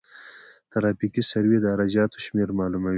ترافیکي سروې د عراده جاتو شمېر معلوموي